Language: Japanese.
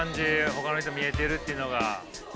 ほかの人見えてるっていうのが。